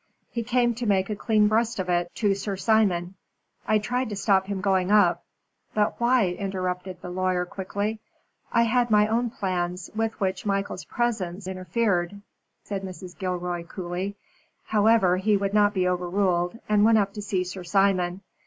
He came to make a clean breast of it to Sir Simon. I tried to stop him going up " "But why?" interrupted the lawyer, quickly. "I had my own plans, with which Michael's presence interfered," said Mrs. Gilroy, coolly. "However, he would not be overruled, and went up to see Sir Simon.